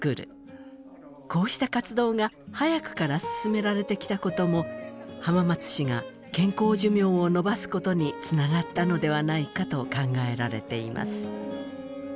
こうした活動が早くから進められてきたことも浜松市が健康寿命を延ばすことにつながったのではないかと考えられています。